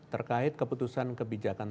terkait keputusan kebijakan